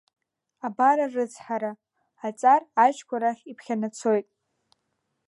Абар арыцҳара, аҵар аџьқәа рахь иԥхьанацоит…